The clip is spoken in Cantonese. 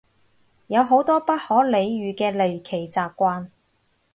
有好多不可理喻嘅離奇習慣